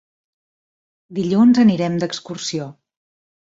Dilluns anirem d'excursió.